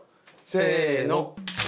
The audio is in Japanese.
せの！